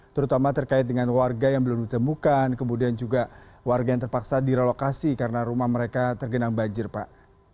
terutama terkait dengan warga yang belum ditemukan kemudian juga warga yang terpaksa direlokasi karena rumah mereka tergenang banjir pak